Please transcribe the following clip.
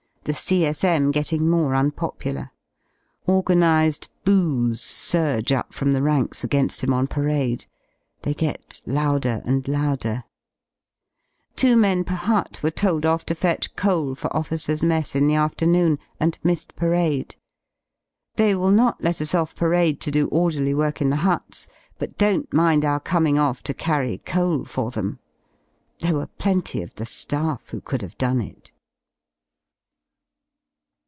The C.S.M. getting more unpopular. Organised "Boo*s" surge up from the ranks again^ him on parade; they get louder and louder. Two men per hut were told off to fetch coal for oiEccr's mess in the afternoon, and missed parade. They will not let us off parade to do orderly work in the huts, but don't mind our coming off to carry coal for them. There were plenty of the Aaff who could have done it.